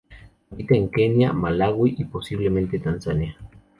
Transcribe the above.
Habita en Kenia, Malaui y posiblemente Tanzania.